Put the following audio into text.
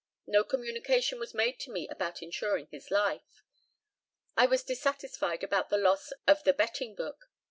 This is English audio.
No communication was made to me about insuring his life. I was dissatisfied about the loss of the betting book.